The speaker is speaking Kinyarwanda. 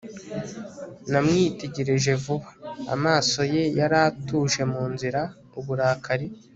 namwitegereje vuba. amaso ye yari atuje mu nzira. uburakari